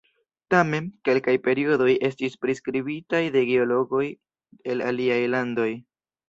Tamen, kelkaj periodoj estis priskribitaj de geologoj el aliaj landoj.